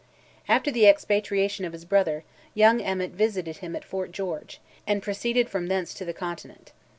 After the expatriation of his brother, young Emmet visited him at Fort George, and proceeded from thence to the Continent.